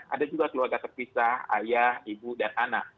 ada juga keluarga terpisah ayah ibu dan anak